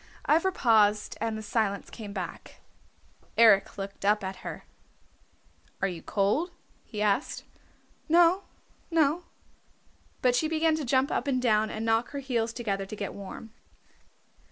Ivra paused and the silence came back. Eric looked up at her. "Are you cold?" he asked. "No, no." But she began to jump up and down and knock her heels together to get warm.